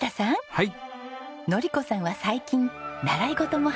はい。